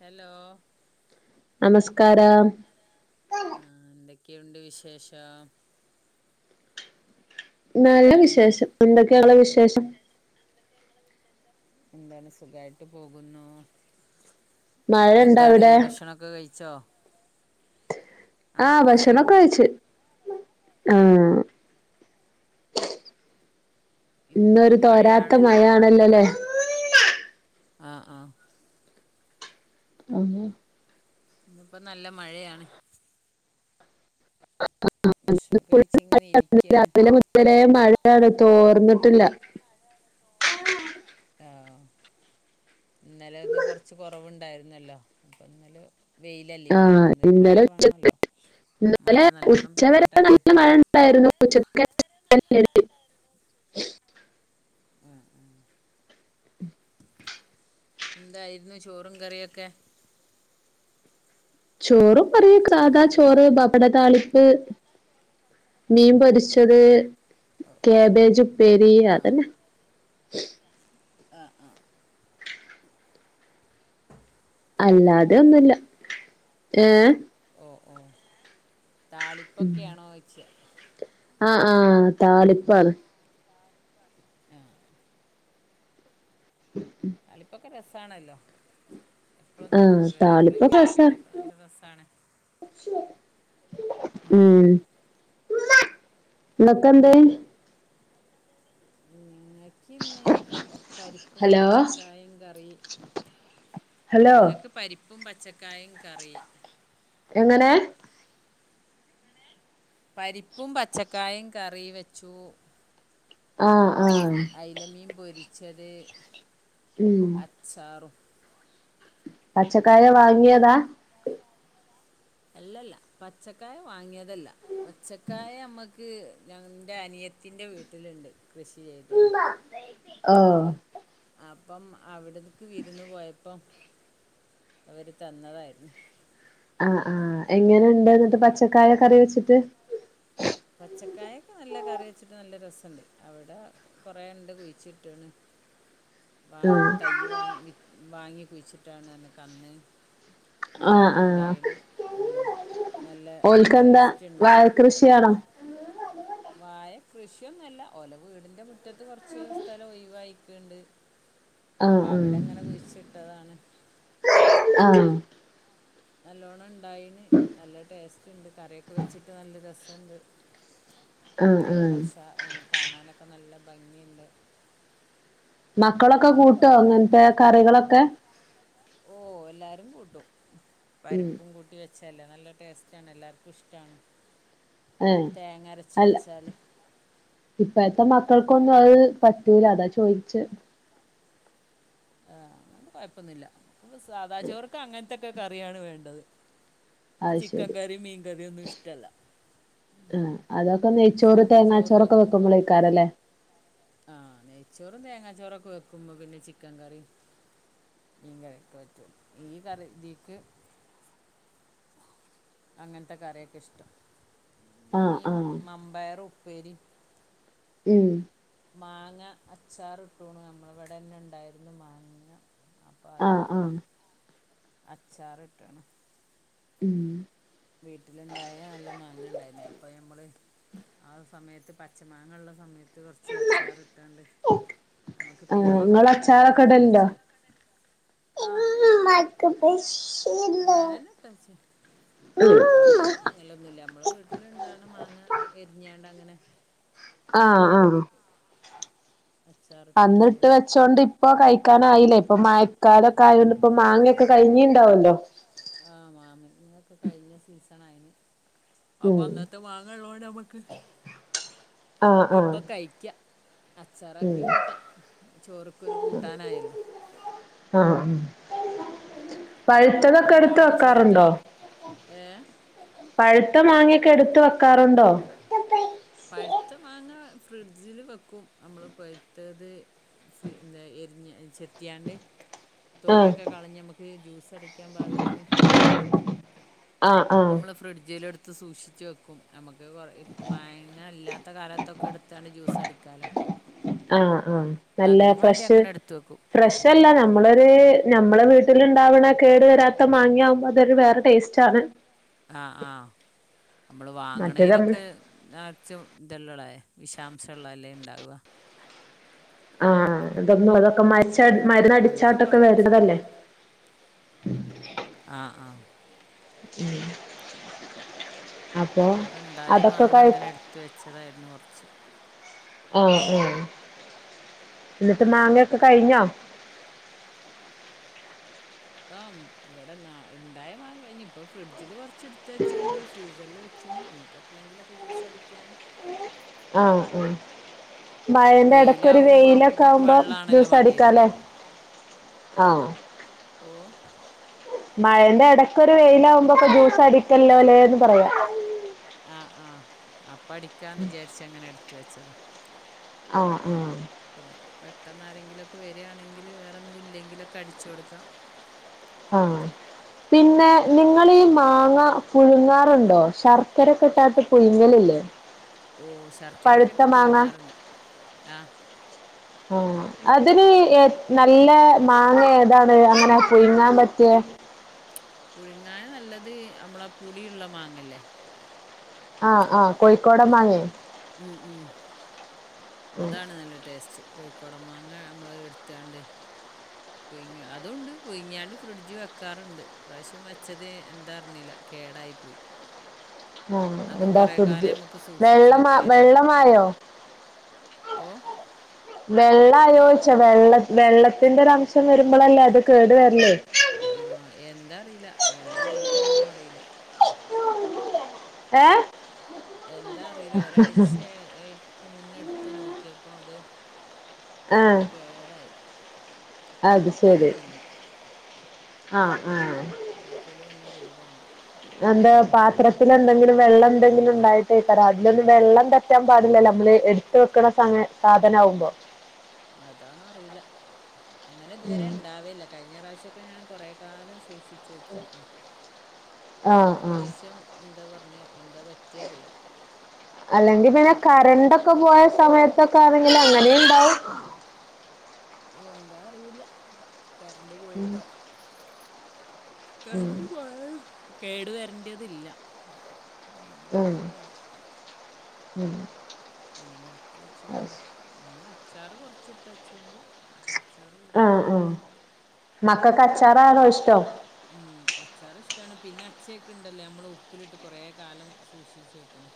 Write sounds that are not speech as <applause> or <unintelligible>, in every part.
Hello നമസ്കാരം ആഹ് എന്തൊക്കെയുണ്ട് വിശേഷം നല്ല എന്താണ് വിശേഷം എന്തൊക്കെയാണ് വിശേഷം എന്താണ് സുഖമായിട്ട് പോകുന്നു മഴണ്ടോ എന്താണ് അവിടെ ഈ ഭക്ഷണം കഴിച്ചോ ആ ആഹ് ഭക്ഷണംക്കെ മഴയുണ്ട് കഴച്ച് ആ ഇന്നിപ്പോ ഇന്നൊരു തോരാത്ത മഴയാണല്ലോ നല്ല മഴ മഴയാണല്ലോല്ലേ ആഹ ആഹ ഉ ഇന്നപ്പോ നല്ല മഴയാണ് ഭക്ഷണംൊക്കെ കഴിച്ചച്ച് ഇങ്ങനെ ഇരിക്കുകയാണ് ത് വെരെ മഴയാണ് തോർന്ന്ട്ട്ല്ല ആഹ് ഇന്നലെ ഒന്ന് കൊർച്ച് കൊറവ്ണ്ടായിര്ന്നല്ലോ അപ്പൊ ന്നല് വെയിലല്ലേനൊ ആഹ് അപ്പന്നൊരു മഴ ഇന്നലെ ഉച്ചക്ക് വാണല്ലോ ഇന്നലെ ഉച്ച വെരെ നല്ല മഴണ്ടായിര്ന്നു ഉച്ചക്ക് <unintelligible> ആഹ് ആഹ് ഉം എന്തായിരുന്നു ചോറും കറിയൊക്കെ ചോറും കറിയും സാധാ ചോറ് ബപ്പട താളിപ്പ് മീൻ പൊരിച്ചത് ക്യാബേജ്പ്പേരി അതെന്നെ ആഹ് ആഹ് അല്ലാതെ താളിപ്പൊക്കെ ഒന്നുല്ല ഏ ഓ ഓ താളിപ്പൊക്കെണോയ്ച്ച ആഹ് ആഹ് താളിപ്പാണ് ആഹ് ഉ ഉം താളിപ്പൊക്കെ രസാണല്ലോ എപ്ളൊന്നും ആഹ് കൂട്ടൂലല്ലേ താളിപ്പൊക്കെ രസാ എപ്ലങ്കിലൊക്കല്ലേ അപ്പൊ നല്ല രസാണ് ഉം ങ്ങക്കെന്തെയ് ഉം ഇങ്ങക്കിന്ന് പരിപ്പും ഹലോ പച്ചക്കായും കറി ഹലോ ഞങ്ങക്ക് പരിപ്പും പച്ചക്കായും കറി എങ്ങനെ പരിപ്പും പച്ചക്കായും കറി വെച്ചു ആഹ് ആഹ് അയ്ല മീൻ പൊരിച്ചത് ഉം ചാറും പച്ചക്കായ വാങ്ങിയതാ അല്ലല്ല പച്ചക്കായ വാങ്ങിയതല്ല പച്ചക്കായ അമ്മക്ക് ഇന്റെ അനിയത്തിന്റെ വീട്ട്ല്ണ്ട് കൃഷി ചെയ്ത്ണ് ഓഹ് അപ്പം അവ്ട്ക്ക് വിരുന്ന് പോയപ്പം അവര് തന്നതായിരുന്നു ആഹ് ആഹ് എങ്ങനെണ്ട് ന്ന്ട്ട് പച്ചക്കായ കറി വെച്ച്ട്ട് പച്ചക്കായൊക്കെ നല്ല കറി വെച്ച്ട്ട് നല്ല രസണ്ട് അവടെ കൊറേണ്ട് കുഴിച്ചിട്ട്ണ് വാ ആഹ് തയ്യ് വാങ്ങി വാങ്ങി കുഴിച്ചിട്ടാണർഞ്ഞ് കന്ന് ആഹ് നല്ലോണം ആഹ് ഇണ്ടായിണ് ഉം നല്ല ഓൽക്കെന്താ ടേസ്റ്റ്ണ്ട് വാഴ കൃഷിയാണോ വാഴ കൃഷിയൊന്നല്ല ഓലെ വീടിന്റെ മുറ്റത്ത് കൊർച്ച് സ്ഥലം ഒയ്വായിക്ക്ണ്ട് ആഹ് അപ്പ അവടെങ്ങനെ കുഴിച്ചിട്ടതാണ് ആഹ് നല്ലോണ്ണം ണ്ടായിന് നല്ല ടേസ്റ്റ്ണ്ട് കറിയൊക്കെ വെച്ച്ട്ട് നല്ല രസണ്ട് ആഹ് <inaudible> നല്ല ആഹ് ഉഷാ കാണാനൊക്കെ നല്ല ഭംഗിണ്ട് മക്കളൊക്കെ കൂട്ടോ ങ്ങൻത്തെ കറികളൊക്കെ ഓഹ് എല്ലാരും കൂട്ടും ഉം പരിപ്പും കൂട്ടി വെച്ച ല്ലെ നല്ല ടേസ്റ്റാണ് എല്ലാര്ക്കും ഇഷ്ടാണ് <unintelligible> അല്ല. ഇപ്പഴത്തെ മക്കൾക്കൊന്നും അത് പറ്റൂല. അതാ ചോയ്ച്ച് ആ, അത് കൊഴപ്പൊന്നില്ല. സാദാ ചോർക്ക് അങ്ങനത്തൊക്കെ കറിയാണ് വേണ്ടത്. അത് ചിക്കൻ ശരി കറിം, മീൻ കറിം, ഒന്നും ഇഷ്ടല്ല. ആ, അതൊക്കെ നെയ്ച്ചോറ് സാദാ ചോറ് തേങ്ങാച്ചോറൊക്കെ വെക്കുമ്പോൾ വെക്കുമ്പോൾയ്ക്കാരല്ലേ. ആ, നെയ്ച്ചോറും, തേങ്ങാച്ചോറൊക്കെ വെക്കുമ്പോ പിന്നെ ചിക്കൻ കറി മീൻ കറിയൊക്കെ പറ്റുളു. ഈ കറി ഇതിക്ക് അങ്ങനത്തെ കറിയൊക്കെ ഇഷ്ടം. പിന്നെ ആഹ് മീൻ ആഹ് മമ്പയർ, ഉപ്പേരി ഉം. മാങ്ങ അച്ചാർ ട്ടൂണു. നമ്മള വടെന്നെണ്ടായിരുന്നു മാങ്ങ. അപ്പ അത് ആഹ് ആഹ് അച്ചാർ ട്ടേണ്. ഉം <inaudible> വീട്ടിലുണ്ടായ നല്ല മാങ്ങ ണ്ടായിന്. അപ്പൊ നമ്മള് ആ, സമയത്ത് പച്ചമാങ്ങ ഉള്ള സമയത്ത് കൊറച്ച് അച്ചാർ ട്ടാണ്ട് നമക്ക് ആ പിന്നീം ഇങ്ങള് കൂട്ടാലോന്ന് അച്ചാറൊക്കെ വിചാരിച്ച ഇടലുണ്ടോ <unintelligible> പൊറ്തന്ന് വാങ്ങലഒന്നുല്ല. നമ്മള് വീട്ടില ണ്ടാണ മാങ്ങ എരിഞ്ഞാണ്ട അങ്ങനെ ആ, അ. അച്ചാറിട്ട് അന്ന്ട്ട് വെച്ചായിരുന്നു വെച്ചോണ്ട് ഇപ്പൊ ഇപ്പൊ കഴിക്കാനആയില്ലേ. ഇപ്പ മഴക്കാലൊക്കെ ആയോണ്ട് ഇപ്പോ മാങ്ങൊക്കെ കഴഞ്ഞിുണ്ടാവുല്ലോ. ആ, മാങ്ങായൊക്കെ കഴിഞ്ഞ സീസൺ ആയിന്. അപ്പൊ ഉം അന്നത്തെ മാാങ്ങള്ളണ്ട് നമ്മക്ക് ആഹ് ആഹ് ഇപ്പൊ കഴിക്ക. ഉം അച്ചാറാക്കി കൂട്ടാ. ചോർ ക് ഒരു കൂട്ടാനായല്ലോ. ആ, ഉം. <inaudible> ച്ചതൊക്കെ എടുത്തു നല്ലോണം വെക്കാറുണ്ടോ? ചെറുതാക്കി ഏ പഴുത്ത മാങ്ങയൊക്കെ എടുത്തു വെക്കാറുണ്ടോ? പഴുത്ത മാങ്ങ ഫ്രിഡ്ജില് വെക്കും. നമ്മള് പഴു ത്തത്. ഫ്രീ എരിന് ചെത്തിയാണ്ട് ആഹ് തോലിയൊക്കെ കളഞ് നമുക്ക് ജ്യൂസടി ജ്യൂസ്‌ അടിക്കാൻ പാകത്തിന് ആഹ് ആഹ് നമ്മൾ ഫ്രിഡ്ജിൽ എടുത്ത് സൂക്ഷിച്ച് വെക്കും. നമ്മക്ക് കൊറ മാങ്ങാ ഇല്ലാത്ത കാലത്തൊക്കെ എടുത്താണ്ട് ജ്യൂസ് അടിക്കാലോ. അ, ആ, നല്ല ഫ്രഷ് എടുത്ത് വെക്കും ഫ്രഷല്ല നമ്മള് അത് നമ്മളെ വീട്ടിലുണ്ടാവണ കേട് വരാത്ത മാങ്ങയകുമ്പോ അതൊരു വേറെ ടേസ്റ്റ് ആണ്. അ, ആ, നമ്മള് മറ്റേത് നമ്മള് വാങ്ങണയിലൊക്കെ തികച്ചും ഇതല്ലള്ള വിഷാംശമള്ളതല്ലേ ണ്ടാവ. ആ, അതൊന്നും അതൊക്കെ അപ്പം മരുന്നു മരുന്നടിച്ചാട്ടൊക്കെ വരാണതല്ലേ. അ, ആ. അപ്പൊ അതൊക്കെ കഴിഞ്ഞോ? എടുത്തു വെച്ചതായിരുന്നു കുറച്ച്. ആ, അ. എന്നിട്ട് മാങ്ങക്കെ കഴിഞ്ഞോ? ആ, വടെണ്ടായ മാങ്ങ കഴിഞ്ഞു. ഇപ്പൊ ഫ്രിഡ്ജില് കുറച്ച് എടുത്തു വെച്ചണ്ട്. ഫ്രീസറിൽ വെച്ചണ് നമ്മക്ക് എപ്പളെങ്കിലും ഒക്കെ ജ്യൂസ്ടിക്കാൻ. അ, ആ. മഴന്റെ ഇടക്കൊ ഒരു വെയിലാവുമ്പോൾ വെയിലൊക്കെ നമുക്ക് ആകുമ്പോ വെള്ളമാണല്ലോ ജ്യൂസ വേണ്ടി വരിക അടിക്കാലേ. ആന്നോ ഓഹ് മഴേന്റെ എടക്കൊരു വെയിലാകുമ്പൊക്കെ ജ്യൂസടിക്കല്ലോല്ലേന്ന് പറയാം ആഹ് ആഹ് അപ്പ അടിക്കാന്ന് വിചാരിച്ചങ്ങനെ എടുത്ത് വെച്ചതാ ആഹ് ആഹ് പിന്നെ പെട്ടെന്ന് ആരെങ്കിലൊക്കെ വെരാണെങ്കില് വേറെന്നും ഇല്ലെങ്കിലൊക്കെ അടിച്ചു കൊടുക്കാം ആഹ് പിന്നെ നിങ്ങളീ മാങ്ങ പുഴുങ്ങാറുണ്ടോ ശർക്കരക്കെ ഇട്ടാട്ട് പുഴുങ്ങലില്ലേ ഓഹ് ശർക്കരെയെക്കെ പഴുത്ത ഇട്ട് മാങ്ങ പുഴുങ്ങാറ്ണ്ട് ആഹ് ആഹ് അതിന് ഏത് നല്ല മാങ്ങ ഏതാണ് അങ്ങനെ പുയ്ങ്ങാൻ പറ്റിയെ പുഴുങ്ങാൻ നല്ലത് നമ്മളെ ആ പുളിയുള്ള മാങ്ങല്ലേ ആഹ് ആഹ് കോഴിക്കോടൻ മാങ്ങെയോ ഉം ഉം അതാണ് നല്ല ടേസ്റ്റ് കോയിക്കോടൻ മാങ്ങ നമ്മള് എടുത്താണ്ട് പുയ്ങ്ങാ അതൂണ്ട് പുയിങ്ങിയാണ്ട് ഫ്രിഡ്ജ് വെക്കാറുണ്ട് ഇപ്രാവശ്യം വെച്ചത് എന്താ അറിഞ്ഞീല്ലാ കേടായിപ്പോയി ആഹ് അതും എന്താ കൊറെ കാലം ഫ്രിഡ്ജ് ഞമ്മക്ക് സൂക്ഷിച്ചു വെള്ളമാ വെക്കായിരുന്നു വെള്ളമായോ ഓഹ് വെള്ളായോച്ചാ വെള്ള വെള്ളത്തിന്റെ ഒരംശം വരുമ്പളല്ലേ അത് കേടുവരല് ആഹ് എന്താറിയില്ലാ വെള്ളായിട്ടാണോ അറീല്ലാ ഏഹ് എന്താ അറിയില്ലാ ഒരാഴ്ച്ച എട് മുന്നെ എടുത്ത് നോക്കിയപ്പം അത് ആഹ് കേടായി അത് പൂപ്പല് ശെരി വന്നു ആഹ് ആഹ് പൂപ്പല് വന്ന് കേട് വന്നോയി എന്താ പാത്രത്തിലെന്തെങ്കിലും വെള്ളം എന്തെങ്കിലും ഇണ്ടായിട്ടായിക്കാരം അതിലൊന്ന് വെള്ളം തട് പറ്റാൻ പാടില്ലല്ലോ നമ്മള് എടുത്ത് വെക്കണ സ സാധനാകുമ്പോ അതാണോ അറിയൂല്ലാ അങ്ങനെ ഇതുവരെ ഇണ്ടാവലില്ലാ കഴിഞ്ഞ പ്രാവശ്യൊക്കെ ഞാൻ കൊറെ കാലം സൂക്ഷി ച്ചുവെച്ചീരുന്നു ആഹ് ഈപ്രാവശ്യം എന്താ പറഞ്ഞെ എന്താ പറ്റ് അല്ലെങ്കി പിന്നെ പെട്ട് കറൻ്റൊക് ഒക്കെ പോയ സമയത്തൊക്കെ ആണെങ്കി അങ്ങനെ ഇണ്ടാവും എന്താറീല്ലാ കറൻ്റ് പോയിട്ടോ ഉം കറൻ്റ് പോയാലും കേട് വെരണ്ടിയെതില്ലാ ഉം ഉം അങ്ങനെ എടുത്ത് അത് വെച്ചെയെക്കെ ശരി ഇനീ അച്ചാറ് കൊറച്ചിട്ട് വെച്ചെണ്ട് നമുക്ക് അച്ചാറ് കൂട്ടാം മക്കക്ക് അച്ചാറാന്നോ ഇഷ്ട്ടം ഉം അച്ചാറിഷ്ട്ടാണ് പിന്നെ അച്ചിയൊക്കെ ഇണ്ടല്ലേ നമ്മള് ഉപ്പിലിട്ട് കൊറെ കാലം സൂക്ഷിച്ചു വെക്ക്ണ്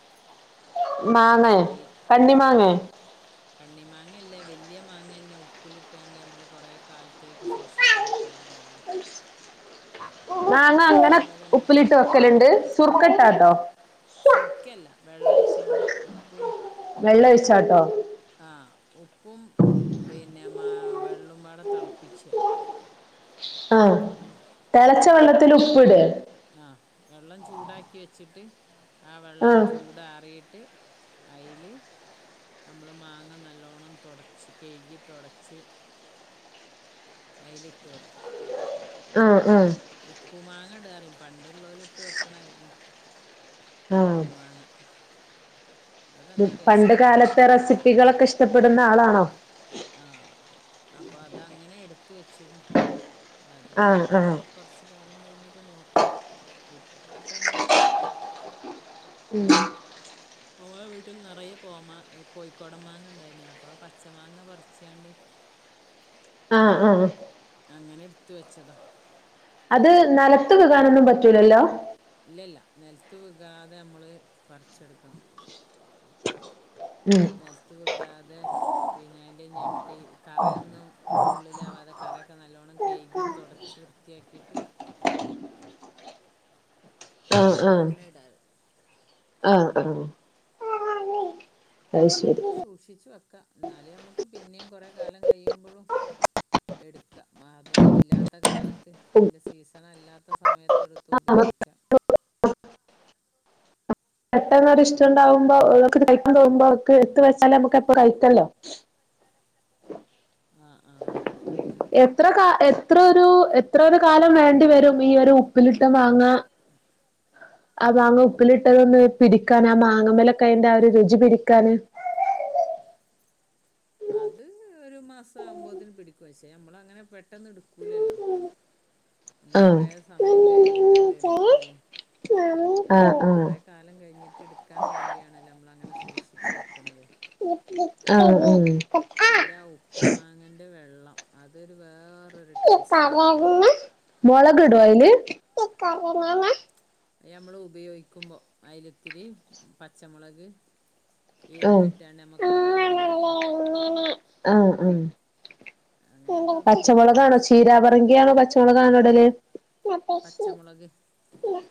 മാങ്ങ അല്ലാ ഓഹ് മാങ്ങേ കണ്ണിമാങ്ങേ കണ്ണി മാങ്ങയല്ലാ വെല്യ മാങ്ങ തന്നെ ഉപ്പിലിട്ടാണ്ട് നമ്മള് കൊറെ കാലത്തേക്ക് സൂക്ഷിച്ചു വെക്കല്ണ്ടല്ലോ മാങ്ങ അങ്ങനെ ഉപ്പിലിട്ട് വെക്കല്ണ്ട് സുർക്ക ഇട്ടാട്ടോ സുർക്കയല്ലാ വെള്ളൊഴിച്ചാണ്ട് ഉപ്പും വെള്ള ഒഴിച്ചാട്ടോ? ആഹ് ഉപ്പും പിന്നെ മാ വെള്ളം പാടെ തിളപ്പിച്ച് ആഹ് തിളച്ച വെള്ളത്തില് ഉപ്പ് ഇട് ആഹ് വെള്ളം ചൂടാക്കി വെച്ചിട്ട് ആഹ് വെള്ളം ചൂടാറിയിട്ട് അയില് നമ്മള് മാങ്ങ നല്ലോണ്ണം തൊടച്ച് കഴുകി തൊടച്ച് അയിലിട്ട് വെക്കുക ആഹ് ആഹ് ഉപ്പു മാങ്ങ ഇടാറിം പണ്ടുള്ളോല് ഇട്ട് വെക്കണായിരുന്നു ആഹ് ഉപ്പ് മാങ്ങ പണ്ട് അതെ കാലത്തെ റെസിപ്പികളൊക്കെ ഇഷ്ടപ്പെടുന്ന ആളാണോ ആഹ് അപ്പൊ അതങ്ങനെ എടുത്ത് വെച്ചണ് അതിഞ്ഞി ആഹ് ആഹ് കൊറച്ച് കാലം കഴിഞ്ഞിട്ട് നോക്കണം ഇപ്പം കൊഴപ്പൊന്നൂല്ല <inaudible> ഓളെ വീട്ടില് നിറയെ കോമാ കോഴിക്കോടൻ മാങ്ങയുണ്ടായീനി അപ്പൊ ആഹ് പച്ച മാങ്ങ പറിച്ചാണ്ട് ആഹ് ആഹ് അങ്ങനെടുത്ത് വെച്ചതാ അത് നെലത്ത് വെക്കാനൊന്നും പറ്റൂലല്ലോ ഇല്ലല്ല നെലത്ത് വെക്കാതെ ഞമ്മള് പറിച്ചെടുക്കണം ഉം നെലത്ത് വെക്കാതെ പിന്നെ അയിൻ്റെ ഞെട്ടി കറയൊന്നും ഉള്ളിലാവാതെ കറയൊക്കെ നല്ലോണം കഴുകി തൊടച്ച് വൃത്തിയാക്കീട്ട് ആഹ് ആഹ് അങ്ങനെയിടാറ് ആഹ് ആഹ് അത് ശരി അങ്ങനെയൊക്കെ സൂക്ഷിച്ചു വെക്കാം എന്നാലേ ഞമ്മക്ക് പിന്നേം കൊറെ കാലം കയ്യുമ്പളും എടുക്കാം അതൊന്നും ഇല്ലാത്ത കാലത്ത് അയിന്റെ സീസണല്ലാത്ത സമയത്ത് എടുത്ത് എടുത്തുപയോഗിക്കാം പെട്ടെന്നൊരിഷ്ടണ്ടാകുമ്പോ നമ്മക്ക് കഴിക്കാൻ തോന്നുമ്പോ അതൊക്കെ എടുത്ത് വെച്ചാല് നമുക്ക് എടുത്ത് കയിക്കാല്ലോ ആഹ് ആഹ് അങ്ങനെ എത്ര കാ എത്രൊരു എത്ര ഒരു കാലം വേണ്ടി വരും ഈ ഒരു ഉപ്പിലിട്ട മാങ്ങ ആഹ് മാങ്ങ ഉപ്പിലിട്ടതൊന്ന് പിടിക്കാന് ആഹ് മാങ്ങമ്മേലൊക്കെ അയിന്റെ ആഹ് ഒരു രുചി പിടിക്കാന് അത് ഒരു മാസാവുമ്പോത്തിന് പിടിക്കും പക്ഷേ ഞമ്മള് അങ്ങനെ പെട്ടന്ന് എടുക്കൂലല്ലോ നമ്മള് ആഹ് കൊറേ സമയം കയിഞ്ഞിട്ടല്ലേ എടുക്കുവൊള്ളൂ ആഹ് ആഹ് കൊറേ കാലം കഴിഞ്ഞിട്ട് എടുക്കാൻ വേണ്ടിയാണല്ലോ നമ്മളങ്ങനെ സൂക്ഷിച്ച് വെക്കണത് ആഹ് ആഹ് അയിന്റെ ആഹ് ഉപ്പു മാങ്ങേന്റെ വെള്ളം അതൊരു വേറെ മൊളക് ഇടുവോ അയില് അത് ഞമ്മള് ഉപയോഗിക്കുമ്പോ അയ്ലിത്തിരി പച്ചമുളക് ആഹ് എരിഞ്ഞിട്ടാണ്ട് അമക്കാവെള്ളം കുടിക്കാം ആഹ് ആഹ് അങ്ങനെയൊക്കെ ആക്കുമ്പോ നല്ല പച്ചമൊളകാണോ ടേസ്റ്റാ ചീരാ പർ പർങ്കിയാണോ പച്ചമൊളകാണൊ ഇടല് പച്ചമുളക്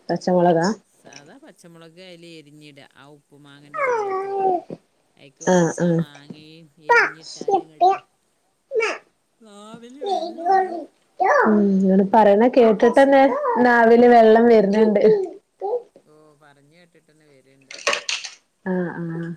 പച്ചമൊളകാ സാധാ പച്ചമുളക് അയില് എരിഞ്ഞിടുകാ ആഹ് ഉപ്പു മാങ്ങേന്റെ വെള്ളത്തില് അയിക്ക് ആഹ് കൊർച്ചാമാങ്ങേം എരിഞ്ഞിട്ടാല് ഇങ്ങട്ട് ആഹ് നാവില് വെള്ളൂറും ഉം ഇങ്ങള് പറിണത് കേട്ടിട്ടെന്നെ ശരി ഓക്കെ നാവില് വെള്ളം വെര്ണ് ണ്ട് ഓഹ് പറഞ്ഞ് കേട്ട്ട്ടെന്നെ വെര്ണ്ട് ആഹ് ആഹ്